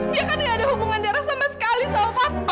dia kan gak ada hubungan darah sama sekali sama bapak